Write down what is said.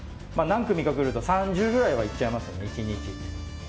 何組か来ると、３０ぐらいはいっちゃいますね、１日。